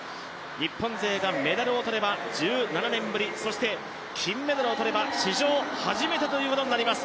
日本勢がメダルをとれば、１７年ぶりそして金メダルを取れば史上初めてということになります。